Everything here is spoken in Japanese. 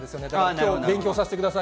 今日、勉強させてください。